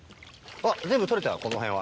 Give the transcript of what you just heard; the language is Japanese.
全部取れたよこの辺は。